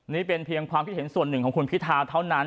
นี่เป็นเพียงความคิดเห็นส่วนหนึ่งของคุณพิทาเท่านั้น